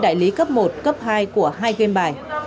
một trăm sáu mươi đại lý cấp một cấp hai của hai game bài